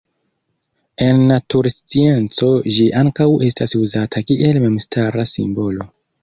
En naturscienco ĝi ankaŭ estas uzata kiel memstara simbolo.